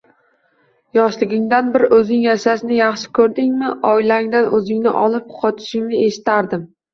Yoshligingdan bir o`zing yashashni yaxshi ko`rishingni, oilangdan o`zingni olib qochishingni eshitardim